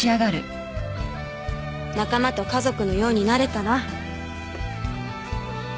仲間と家族のようになれたら。